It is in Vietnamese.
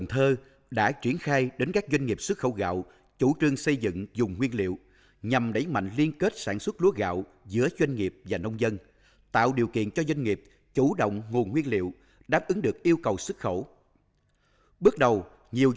hãy đăng ký kênh để ủng hộ kênh của chúng mình nhé